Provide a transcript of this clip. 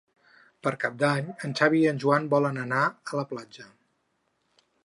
Per Cap d'Any en Xavi i en Joan volen anar a la platja.